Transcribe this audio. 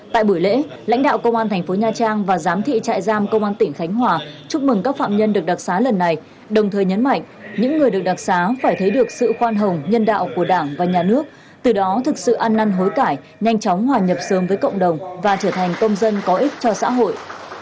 tại buổi lễ lãnh đạo công an thành phố nha trang và giám thị trại giam công an tỉnh khánh hòa chúc mừng các phạm nhân được đặc xá lần này đồng thời nhấn mạnh những người được đặc xá phải thấy được sự khoan hồng nhân đạo của đảng và nhà nước từ đó thực sự ăn năn hối cải nhanh chóng hòa nhập sớm với cộng đồng và trở thành công dân có ích cho xã hội